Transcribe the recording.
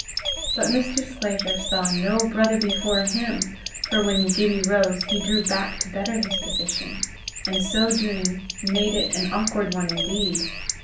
But Mr. Sclater saw no brother before him, for when Gibbie rose he drew back to better his position, and so doing made it an awkard one indeed.